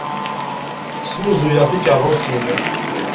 Snuzuyeɣ tikeṛṛusin.